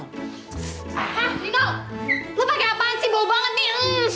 lo pake apaan sih bau banget nih